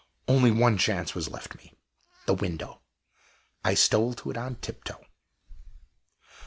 Only one chance was left me the window. I stole to it on tiptoe.